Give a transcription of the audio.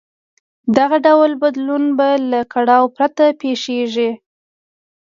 دغه ډول بدلون به له کړاو پرته پېښېږي.